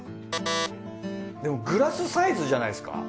でもグラスサイズじゃないですか？